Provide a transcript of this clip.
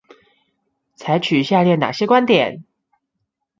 採取下列那些觀點？